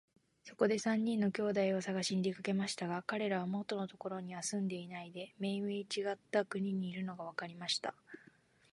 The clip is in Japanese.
そこで三人の兄弟をさがしに出かけましたが、かれらは元のところには住んでいないで、めいめいちがった国にいるのがわかりました。